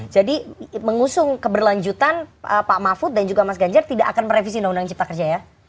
jadi mengusung keberlanjutan pak mahfud dan juga mas ganjar tidak akan merevisi undang undang cipta kerja ya